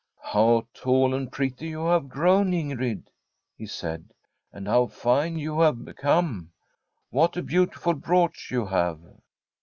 * How tall and pretty you have grown, Ingrid !' he said. * And how fine you have become ! What a beautiful brooch you have